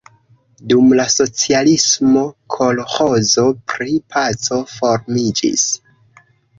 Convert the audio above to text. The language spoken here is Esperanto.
Dum la socialismo kolĥozo pri Paco formiĝis.